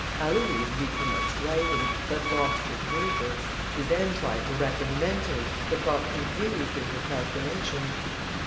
Aloïse recommenced writing, but lost her paper; she then tried to reckon mentally, but got confused in her calculations.